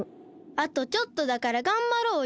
あとちょっとだからがんばろうよ！